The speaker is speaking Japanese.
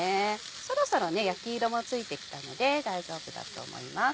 そろそろ焼き色もついてきたので大丈夫だと思います。